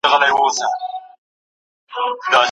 د نوروز خواړه بې خونده نه وي.